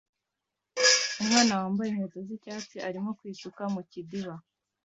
Umwana wambaye inkweto z'icyatsi arimo kwisuka mu kidiba